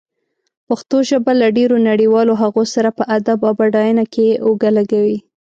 پښتو ژبه له ډېرو نړيوالو هغو سره په ادب او بډاینه کې اوږه لږوي.